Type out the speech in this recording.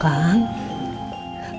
karena emak bisa ngebantu